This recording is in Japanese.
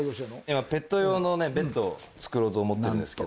今ペット用のベッドを作ろうと思ってるんですけど。